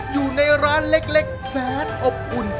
อยู่ในร้านเล็กแสนอบอุ่น